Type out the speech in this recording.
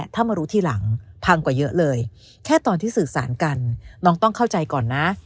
ถ้ามารู้ทีหลังพังกว่าเยอะเลยแค่ตอนที่สื่อสารกันน้องต้องเข้าใจก่อนนะ